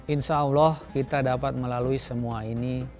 insya allah kita dapat melalui semua ini